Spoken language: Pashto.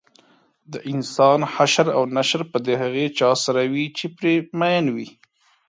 دانسان حشر او نشر به د هغه چا سره وي چې پرې مین وي